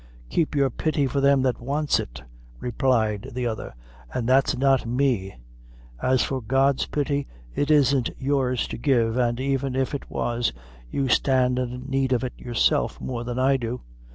"Keep your pity for them that wants it," replied the other, "an' that's not me. As for God's pity, it isn't yours to give, and even if it was, you stand in need of it yourself more than I do.